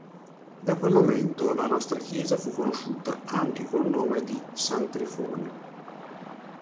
Da quel momento la nostra chiesa fu conosciuta anche col nome di "“San Trifone”".